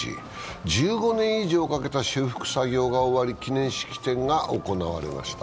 １５年以上かけた修復作業が終わり、記念式典が行われました。